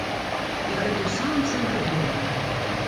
І гэта ў самым цэнтры горада!